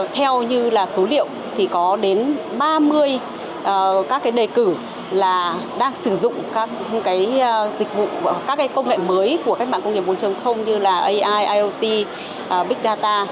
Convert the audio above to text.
theo như là số liệu thì có đến ba mươi các cái đề cử là đang sử dụng các cái công nghệ mới của các mạng công nghiệp bốn như là ai iot big data